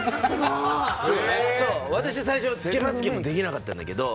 私最初つけまつげもできなかったんだけど。